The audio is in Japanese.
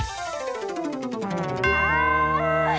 ああ！